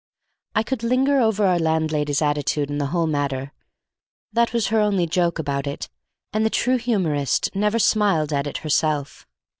I could linger over our landlady's attitude in the whole matter. That was her only joke about it, and the true humorist never smiled at it herself.